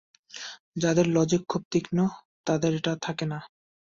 যাদের লজিক খুব তীক্ষ্ণ, তাদের এটা থাকে না।